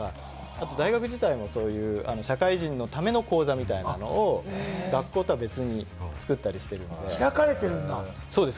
あと大学時代も社会人のための講座みたいなのを学校とは別に作ったりしているので、開かれているんだ。